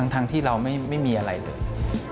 ที่เราไม่มีอะไรเลย